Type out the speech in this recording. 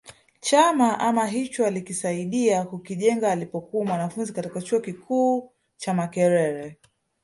Chama ama hicho alikisaidia kukijenga alipokuwa mwanafunzi katika chuo kikuu cha Makerere